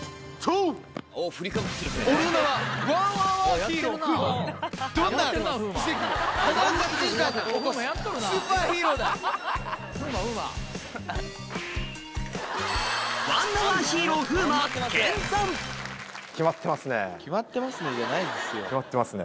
キマってますね。